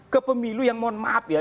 ke pemilu yang mohon maaf ya